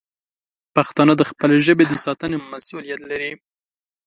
پښتانه د خپلې ژبې د ساتنې مسوولیت لري.